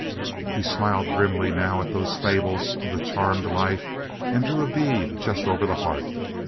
He smiled grimly now at those fables of the charmed life and drew a bead just over the heart.